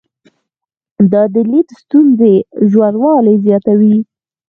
دا لید د ستونزې ژوروالي زیاتوي.